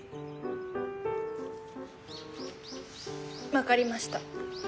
分かりました。